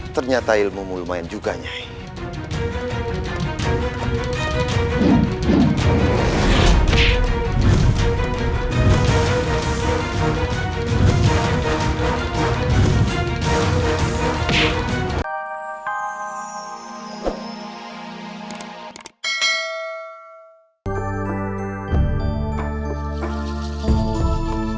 ternyata ilmu ilmu lumayan juga nyai